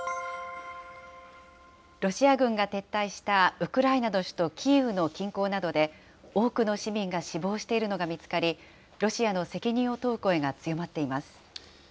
ロシア軍が撤退したウクライナの首都キーウの近郊などで、多くの市民が死亡しているのが見つかり、ロシアの責任を問う声が強まっています。